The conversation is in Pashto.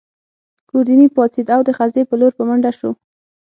ګوردیني پاڅېد او د خزې په لور په منډه شو.